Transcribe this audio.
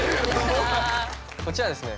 こちらはですね